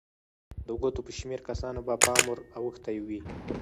د ګوتو په شمېر کسانو به پام ور اوښتی وي.